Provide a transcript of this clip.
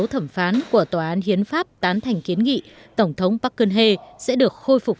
thẩm phán của tòa án hiến pháp tán thành kiến nghị tổng thống park geun hye sẽ được khôi phục